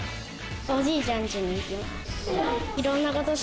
おじいちゃんちに行きます。